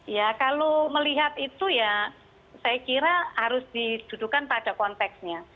ya kalau melihat itu ya saya kira harus didudukan pada konteksnya